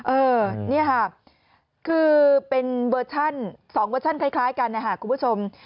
เออนี่ค่ะคือเป็นเวอร์ชัน๒เวอร์ชั่นคล้ายกันนะคะคุณผู้ชม